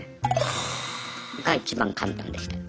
が一番簡単でした。